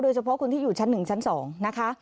เฉพาะคนที่อยู่ชั้น๑ชั้น๒นะคะ